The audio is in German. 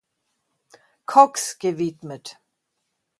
Cox" gewidmet.